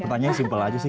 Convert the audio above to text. pertanyaan simple aja sih